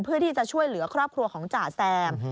เพื่อที่จะช่วยเหลือครอบครัวของจ่าแซม